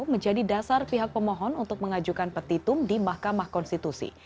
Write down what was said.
menjadi dasar pihak pemohon untuk mengajukan petitum di mahkamah konstitusi